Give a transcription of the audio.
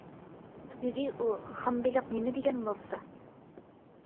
-دېدى ئۇ، -خام بېلىق نېمە دېگەن لاۋزا.